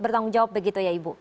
oke stok bagaimana harga kerja